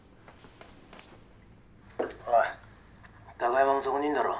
おい貴山もそこにいんだろ？